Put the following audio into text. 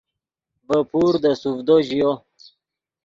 ڤے پور دے سوڤدو ژیو